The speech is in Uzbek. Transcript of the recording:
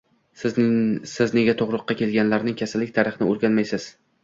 Siz nega tug`ruqqa kelganlarning Kasallik tarixini o`rganmaysiz